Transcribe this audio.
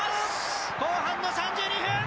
後半の３２分！